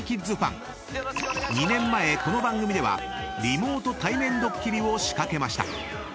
［２年前この番組ではリモート対面ドッキリを仕掛けました。